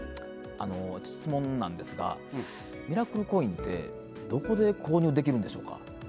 あの質問なんですがミラクルコインってどこで購入できるんでしょうか。